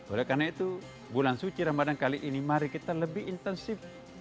oleh karena itu bulan suci ramadan kali ini mari kita lebih intensif